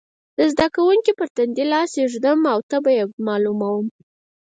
د زده کوونکي پر تندې لاس ږدم او تبه یې معلوموم.